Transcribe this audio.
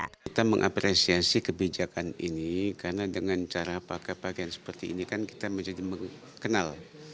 kita mengapresiasi kebijakan ini karena dengan cara pakai pakaian seperti ini kan kita menjadi kenal